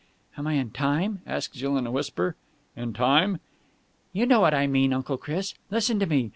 "Am I in time?" asked Jill in a whisper. "In time?" "You know what I mean. Uncle Chris, listen to me!